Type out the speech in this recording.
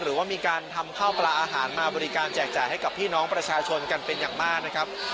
หรือว่ามีการทำข้าวปลาอาหารมาบริการแจกจ่ายให้กับพี่น้องประชาชนกันเป็นอย่างมากนะครับ